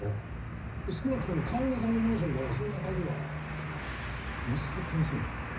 少なくとも川村さんのマンションからそんな鍵は見つかっていませんがね。